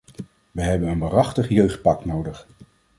Wij hebben een waarachtig jeugdpact nodig.